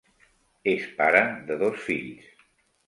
Es pare de dos fills.